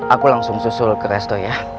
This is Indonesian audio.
aku langsung susul ke resto ya